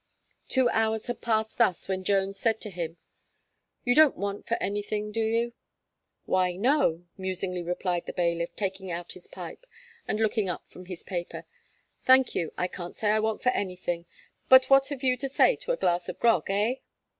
Two hours had passed thus when Jones said to him: "You don't want for anything, do you?" "Why no," musingly replied the bailiff, taking out his pipe, and looking up from his paper, "thank you, I can't say I want for anything, but what have you to say to a glass of grog, eh?"